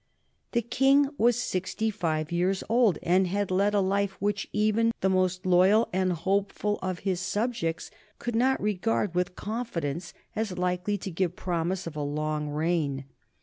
The King was sixty five years old, and had led a life which even the most loyal and hopeful of his subjects could not regard with confidence as likely to give promise of a long reign.